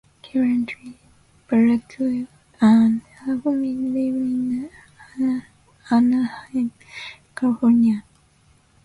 Currently, Baraquio and her family live in Anaheim, California.